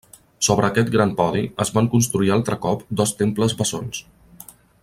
Sobre aquest gran podi, es van construir altre cop dos temples bessons.